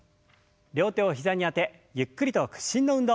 両手を膝にあてゆっくりと屈伸の運動。